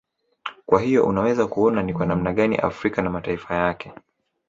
Kwa hiyo unaweza kuona ni kwa namna gani Afrika na mataifa yake